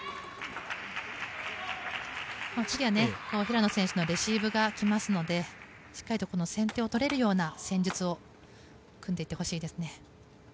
次は平野選手のレシーブが来ますのでしっかりと先手を取れるような戦術を組んでいってほしいです。